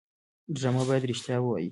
ډرامه باید رښتیا ووايي